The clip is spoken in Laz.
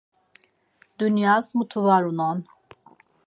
Dunyas mutu var unon.